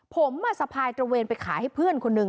ผมสะพายตระเวนไปขายให้เพื่อนคนนึง